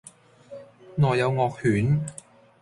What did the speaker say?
內有惡犬